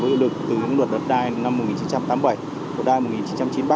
có hiệu lực từ luật đất đai năm một nghìn chín trăm tám mươi bảy luật đai năm một nghìn chín trăm chín mươi ba